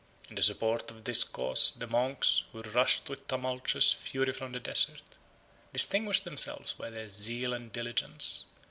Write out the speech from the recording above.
In the support of this cause, the monks, who rushed with tumultuous fury from the desert, distinguished themselves by their zeal and diligence.